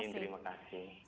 amin terima kasih